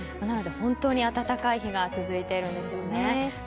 なので、本当に暖かい日が続いているんですよね。